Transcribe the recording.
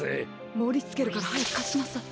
もりつけるからはやくかしなさい。